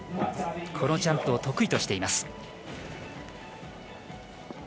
このジャンプを得意としています。